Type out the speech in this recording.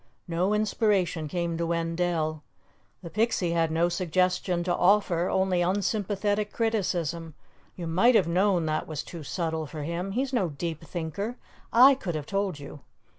No inspiration came to Wendell. The Pixie had no suggestion to offer, only unsympathetic criticism: "You might have known that was too subtle for him. He's no deep thinker. I could have told you."